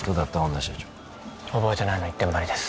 女社長覚えてないの一点張りです